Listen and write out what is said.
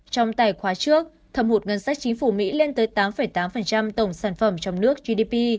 trong tài khoá trước thầm hụt ngân sách chính phủ mỹ lên tới tám tám tổng sản phẩm trong nước gdp